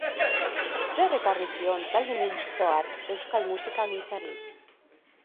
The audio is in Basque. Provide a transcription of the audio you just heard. Zer ekarri zion talde multzo hark euskal musikagintzari?